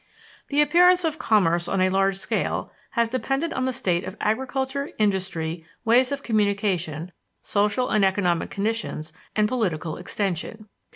The appearance of commerce on a large scale has depended on the state of agriculture, industry, ways of communication, social and economic conditions and political extension.